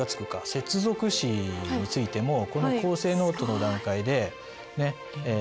接続詞についてもこの構成ノートの段階でね。